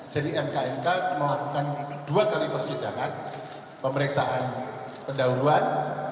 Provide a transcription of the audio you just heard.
jadi mknk melakukan dua kali persidangan pemeriksaan pendahuluan